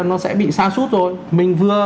nó sẽ bị sa sút rồi mình vừa